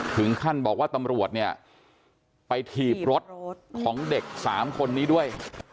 ถึงขั้นบอกว่าตำรวจเนี่ยไปถีบรถของเด็ก๓คนนี้ด้วย